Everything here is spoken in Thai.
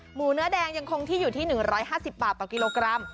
หมูเนื้อแดงยังคงที่อยู่ที่๑๕๐บาทต่อกิโลกรัม